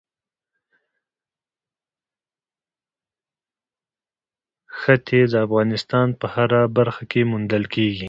ښتې د افغانستان په هره برخه کې موندل کېږي.